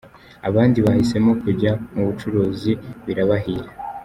Abandi bahisemo kujya mu bucuruzi birabahira.